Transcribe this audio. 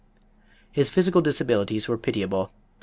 His physical disabilities were pitiable.